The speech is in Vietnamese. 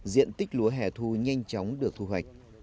diện tích lúa hẻ thu nhanh chóng được thu hoạch